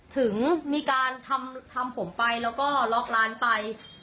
ถึงมีการทำผมไปแล้วก็ล็อกร้านไป